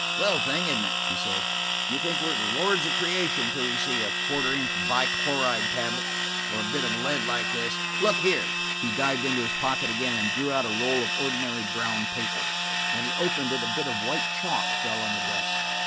"Little thing, isn't it?" he said. "We think we're lords of creation, until we see a quarter inch bi chloride tablet, or a bit of lead like this. Look here." He dived into his pocket again and drew out a roll of ordinary brown paper. When he opened it a bit of white chalk fell on the desk.